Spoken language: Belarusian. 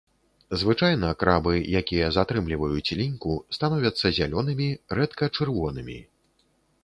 Звычайна крабы, якія затрымліваюць ліньку, становяцца зялёнымі, рэдка-чырвонымі.